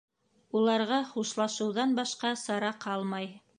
Уларға хушлашыуҙан башҡа сара ҡалмай.